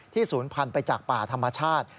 ที่สูญพันธุ์ไปจากป่าธรรมชาติ